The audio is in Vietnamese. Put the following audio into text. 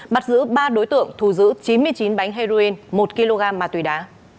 bắt giữ ba đối tượng thu giữ chín mươi chín bánh heroin một kg ma túy đá